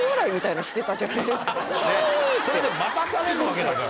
それで待たされるわけだから。